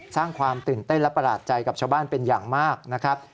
สร้างความตื่นเต้นและประหลาดใจกับชาวบ้านเป็นอย่างมากนะครับ